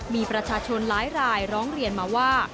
มีประชาชนหลายรายร้องเรียนมาว่า